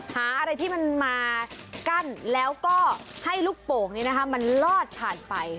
หาอะไรที่มันมากั้นแล้วก็ให้ลูกโป่งมันลอดผ่านไป